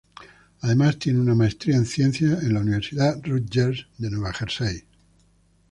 Además tiene una maestría en ciencias en la Universidad Rutgers de Nueva Jersey.